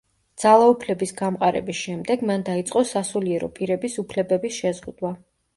ძალაუფლების გამყარების შემდეგ, მან დაიწყო სასულიერო პირების უფლებების შეზღუდვა.